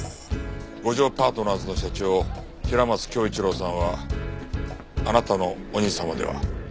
五条パートナーズの社長平松恭一郎さんはあなたのお兄様では？